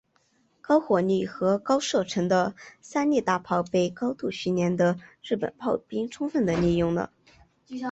高火力和高射程的三笠大炮被高度训练的日本炮兵充分地利用了。